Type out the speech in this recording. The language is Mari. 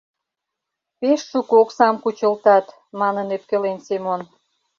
— Пеш шуко оксам кучылтат, — манын ӧпкелен Семон.